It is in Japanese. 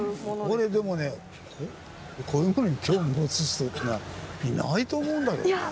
これでもねこういうものに興味持つ人ってのはいないと思うんだけどね。